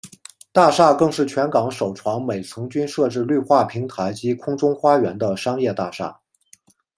大厦更是全港首幢每层均设置绿化平台及空中花园的商业大厦。